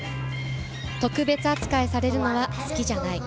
特別扱いされるのは好きじゃない。